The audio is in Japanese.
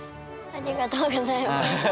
ありがとうございます。